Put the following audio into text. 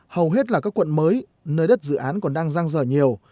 hầu hết là các quận mới nơi đất dự án còn đang răng rở nhiều